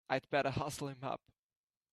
I'd better hustle him up!